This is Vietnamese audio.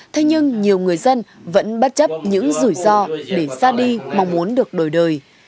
thế nhưng nhiều người dân vẫn bất chấp những rủi ro để ra đi mong muốn được đổi đời